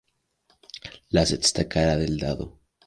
La sexta cara del dado.